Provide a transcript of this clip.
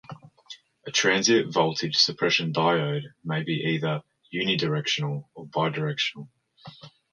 A transient-voltage-suppression diode may be either unidirectional or bidirectional.